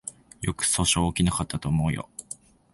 よく訴訟起きなかったと思うよ